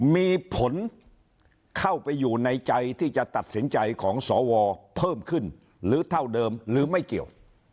มีผลเข้าไปอยู่ในใจที่จะตัดสินใจของสวเพิ่มขึ้นหรือเท่าเดิมหรือไม่เกี่ยว